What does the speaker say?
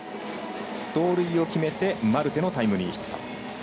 盗塁を決めてマルテのタイムリーヒット。